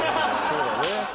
そうだね。